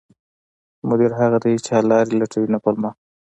مدیر هغه دی چې حل لارې لټوي، نه پلمه